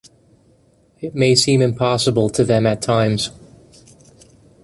It may seem impossible to them at times.